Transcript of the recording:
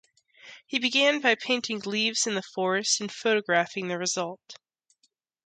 He began by painting leaves in the forest and photographing the result.